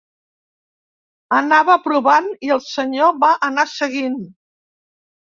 Anava aprovant i el senyor va anar seguint